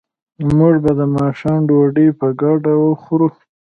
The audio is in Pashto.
موږ به د ماښام ډوډۍ په ګډه وخورو